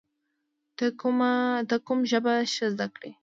ته کوم ژبه ښه زده کړې؟